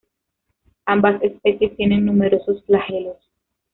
Ambas especies tienen numerosos flagelos.